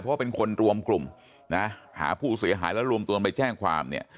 เพราะว่าเป็นคนรวมกลุ่มนะหาผู้เสียหายแล้วรวมตัวกันไปแจ้งความเนี่ย